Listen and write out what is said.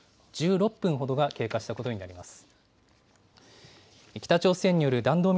１６分ほどが経過したことになります。